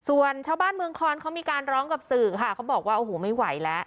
ส่วนชาวบ้านเมืองคอนเขามีการร้องกับสื่อค่ะเขาบอกว่าโอ้โหไม่ไหวแล้ว